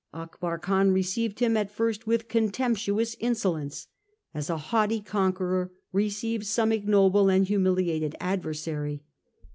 Akbar Khan received him at first with contemptuous insolence — as a haughty conqueror receives some ignoble and h u miliated ad versary.